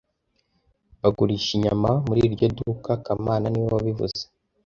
Bagurisha inyama muri iryo duka kamana niwe wabivuze